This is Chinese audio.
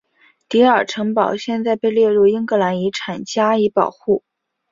迪尔城堡现在被列入英格兰遗产加以保护。